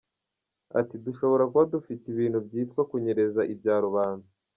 Ati “Dushobora kuba dufite ibintu byitwa kunyereza ibya rubanda.